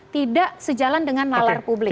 tidak sejalan dengan lalar publik